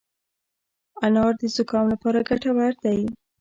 انار د زکام لپاره ګټور دی.